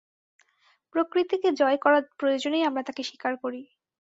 প্রকৃতিকে জয় করার প্রয়োজনেই আমরা তাকে স্বীকার করি।